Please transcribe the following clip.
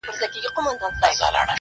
هر څوک يې په خپل نظر ګوري